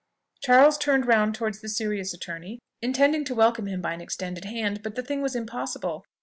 Charles turned round towards the serious attorney, intending to welcome him by an extended hand; but the thing was impossible.